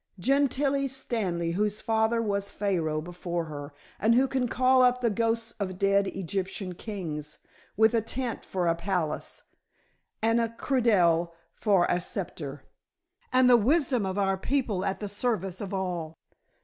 Gentilla Stanley, whose father was Pharaoh before her, and who can call up the ghosts of dead Egyptian kings, with a tent for a palace, and a cudgel for a sceptre, and the wisdom of our people at the service of all."